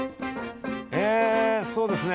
えそうですね